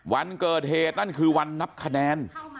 วันเกิดเหตุนั่นคือวันนับคะแนน